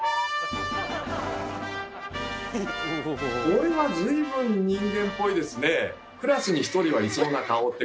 これは随分人間っぽいですね。